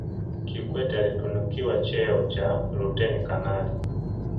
kikwete alitunukiwa cheo cha luteni kanali